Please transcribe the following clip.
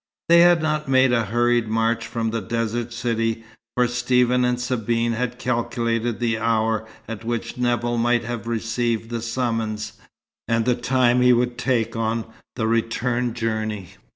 They had not made a hurried march from the desert city, for Stephen and Sabine had calculated the hour at which Nevill might have received the summons, and the time he would take on the return journey.